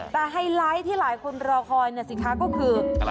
แต่ไฮไลท์ที่หลายคนรอคอยก็คือ